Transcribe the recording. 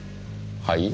はい？